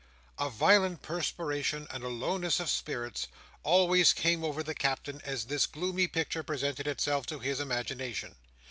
A violent perspiration, and a lowness of spirits, always came over the Captain as this gloomy picture presented itself to his imagination.